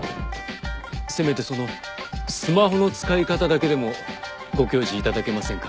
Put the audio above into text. せめてその「すまほ」の使いかただけでもご教示いただけませんか？